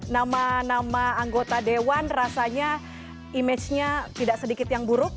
nama nama anggota dewan rasanya image nya tidak sedikit yang buruk